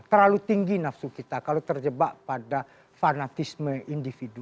terlalu tinggi nafsu kita kalau terjebak pada fanatisme individu